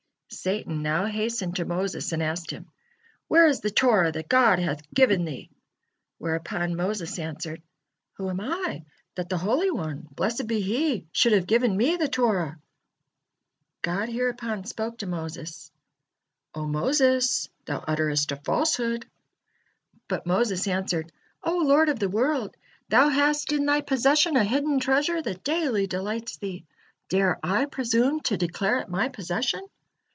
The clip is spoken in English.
Satan now hastened to Moses and asked him: "Where is the Torah that God hath given thee?" Whereupon Moses answered: "Who am I, that the Holy One, blessed be He, should have given me the Torah?" God hereupon spoke to Moses: "O Moses, thou utterest a falsehood." But Moses answered: "O Lord of the world! Thou hast in Thy possession a hidden treasure that daily delights Thee. Dare I presume to declare it my possession?"